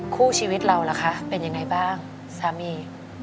คู่ชีวิตเราล่ะคะเป็นยังไงบ้างสามี